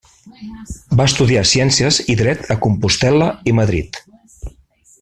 Va estudiar ciències i dret a Compostel·la i Madrid.